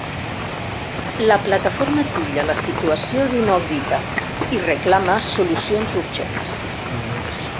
La plataforma titlla la situació ‘d’inaudita’ i reclama solucions urgents.